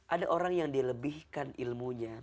ada orang yang dilebihkan ilmunya